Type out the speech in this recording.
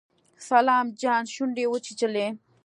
سلام جان شونډې وچيچلې.